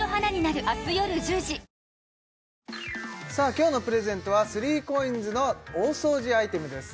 今日のプレゼントは３ＣＯＩＮＳの大掃除アイテムです